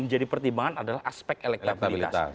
jadi pertimbangan adalah aspek elektabilitas